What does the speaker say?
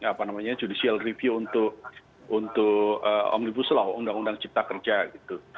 apa namanya judicial review untuk om nubu selau undang undang cipta kerja gitu